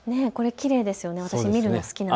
きれいですよね。